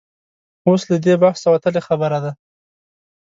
اوس له دې بحثه وتلې خبره ده.